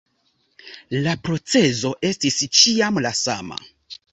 La procezo estis ĉiam la sama..